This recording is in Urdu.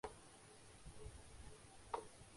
اس کا یہی نتیجہ نکل سکتا ہے جو ہم دیکھ رہے ہیں۔